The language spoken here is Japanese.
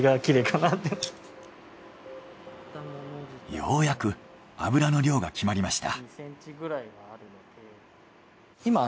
ようやく油の量が決まりました。